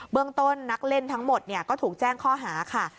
เรื่องต้นนักเล่นทั้งหมดก็ถูกแจ้งข้อหาค่ะ